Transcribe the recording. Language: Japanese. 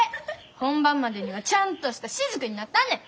本番までにはちゃんとした滴になったんねん！